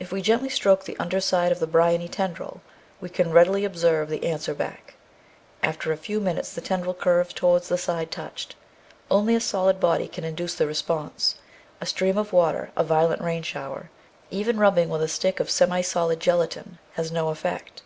If we gently stroke the under side of the bryony tendril we can readily observe the answer back ; after a few minutes the ten dril curves towards the side touched. Only a solid body can induce the response ; a stream of water, a violent rain shower, even rubbing with a stick of semi solid gelatine, has no effect.